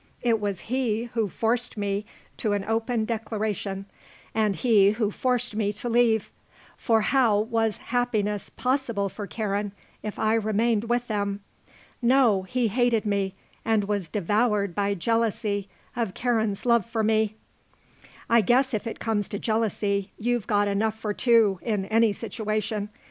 It was he who forced me to an open declaration and he who forced me to leave; for how was happiness possible for Karen if I remained with them? No. He hated me, and was devoured by jealousy of Karen's love for me." "I guess if it comes to jealousy you've got enough for two in any situation.